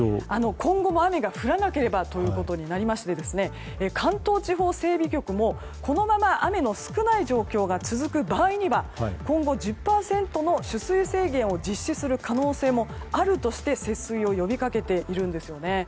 今後も雨が降らなければということになりまして関東地方整備局もこのまま雨の少ない状況が続く場合には今後、１０％の取水制限を実施する可能性もあるとして、節水を呼びかけているんですよね。